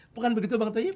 bukan begitu bang tayyib